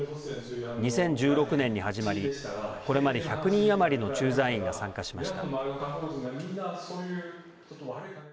２０１６年に始まりこれまで１００人余りの駐在員が参加しました。